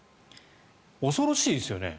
恐ろしいですよね。